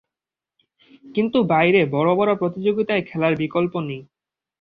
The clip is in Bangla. কিন্তু বাইরে বড় বড় প্রতিযোগিতায় খেলার বিকল্প নেই।